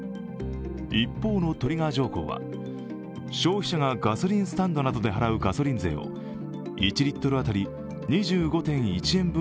一方のトリガー条項は、消費者がガソリンスタンドなどで払うガソリン税を、１リットル当たり２５．１円